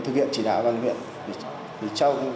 thực hiện chỉ đạo ủy ban nhân dân huyện